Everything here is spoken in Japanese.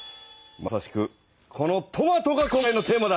まさしくこのトマトが今回のテーマだ。